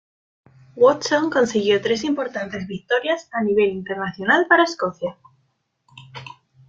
Watson consiguió tres importantes victorias a nivel internacional para Escocia.